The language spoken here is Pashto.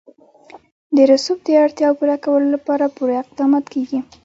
د رسوب د اړتیاوو پوره کولو لپاره پوره اقدامات کېږي.